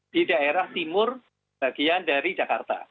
di daerah timur bagian dari jakarta